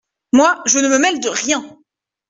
Moi, je ne me mêle de rien !